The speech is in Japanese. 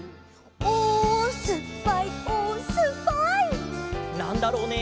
「おおすっぱいおおすっぱい」なんだろうね？